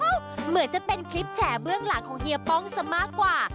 เหมือนจะเป็นคลิปแฉเบื้องหลังของเฮียป้องซะมากกว่า